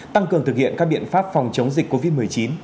tăng cường thực hiện các biện pháp phòng chống dịch covid một mươi chín